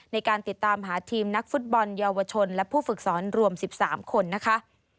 ในการติดตามหาทีมนักฟุตบอลเยาวชนและผู้ฝึกสอนรวม๑๓คนนะคะ